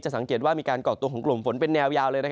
สังเกตว่ามีการก่อตัวของกลุ่มฝนเป็นแนวยาวเลย